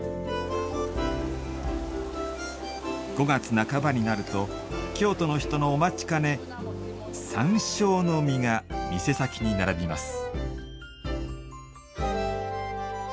５月半ばになると京都の人のお待ちかね山椒の実が店先に並びます。